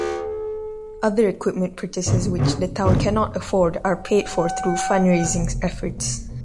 Other equipment purchases which the town cannot afford are paid for through fundraising efforts.